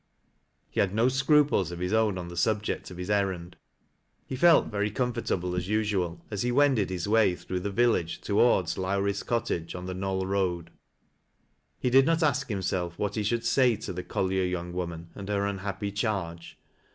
He had no scruples of his own on the subject of his errand. He felt very comfortable as usual, as he wended his way through the village toward Lowrie's cottage, on the Knoll Road. He did not ask himself what he should say to the collier young woman, and her unhappy charge.